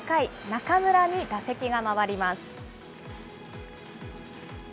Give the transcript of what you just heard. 中村に打席が回ります。